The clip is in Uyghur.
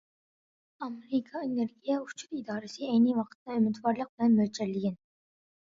ئامېرىكا ئېنېرگىيە ئۇچۇر ئىدارىسى ئەينى ۋاقىتتا ئۈمىدۋارلىق بىلەن مۆلچەرلىگەن.